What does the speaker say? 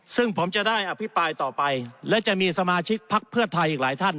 ซึ่งผมจะได้อภิปรายต่อไปและจะมีสมาชิกพักเพื่อไทยอีกหลายท่าน